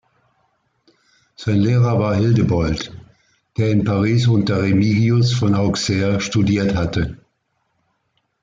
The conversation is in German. Sein Lehrer war Hildebold, der in Paris unter Remigius von Auxerre studiert hatte.